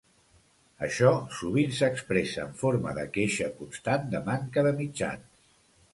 Això sovint s’expressa en forma de queixa constant de manca de mitjans.